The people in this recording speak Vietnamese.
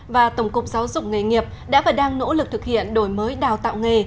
và tổng cục giáo dục nghề nghiệp đã và đang nỗ lực thực hiện đổi mới đào tạo nghề